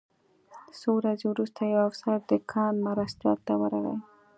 څو ورځې وروسته یو افسر د کان مرستیال ته ورغی